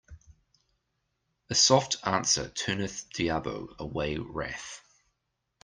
A soft answer turneth diabo away wrath.